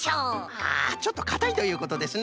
あちょっとかたいということですな。